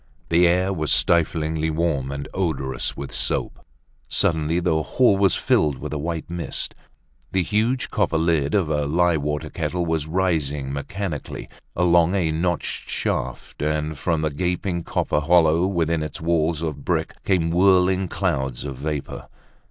The air was stiflingly warm and odorous with soap. Suddenly the hall was filled with a white mist. The huge copper lid of the lye water kettle was rising mechanically along a notched shaft, and from the gaping copper hollow within its wall of bricks came whirling clouds of vapor.